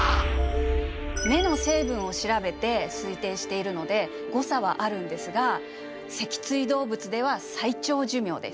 目の成分を調べて推定しているので誤差はあるんですが脊椎動物では最長寿命です。